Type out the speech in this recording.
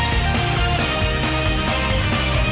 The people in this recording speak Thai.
ชิคกี้พาย